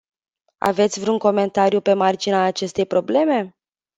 Aveți vreun comentariu pe marginea acestei probleme?